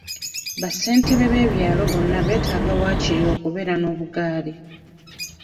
Bassentebe b'ebyalo bonna beetaaga waakiri okubeera n'obugaali.